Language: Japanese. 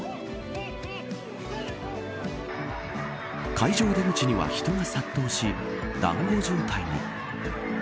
会場出口には人が殺到し、団子状態に。